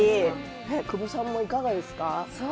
久保さんはいかがですか？